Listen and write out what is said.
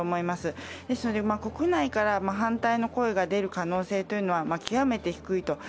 ですので、国内から反対の声が出る可能性は極めて低い。